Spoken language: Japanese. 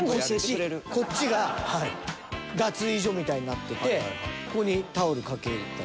こっちが脱衣所みたいになっててここにタオルかけたり。